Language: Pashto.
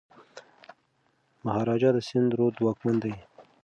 مهاراجا د سند رود واکمن دی.